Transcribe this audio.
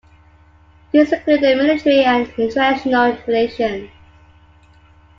These include the military and international relations.